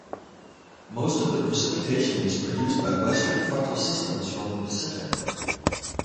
Most of the precipitation is produced by western frontal systems from the Pacific.